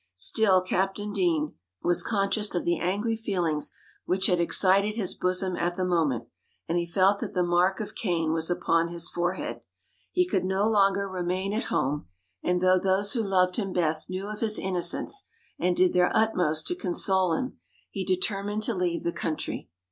Still Captain Deane was conscious of the angry feelings which had excited his bosom at the moment, and he felt that the mark of Cain was upon his forehead. He could no longer remain at home, and though those who loved him best knew of his innocence, and did their utmost to console him, he determined to leave the country.